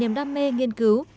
và niềm đam mê nghiên cứu